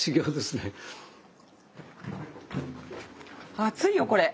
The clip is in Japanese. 熱いよこれ。